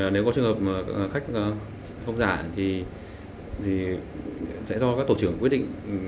nếu có trường hợp khách không giả thì sẽ do các tổ trưởng quyết định